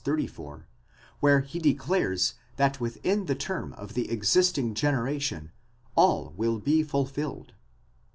34, where he declares that within the term of the existing generation, all will be fulfilled.